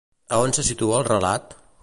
A on se situa el relat?